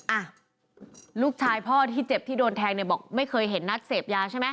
อ่ะลูกชายพ่อที่เจ็บที่โดนแทงเนี่ยบอกไม่เคยเห็นนัดเสพยาใช่ไหม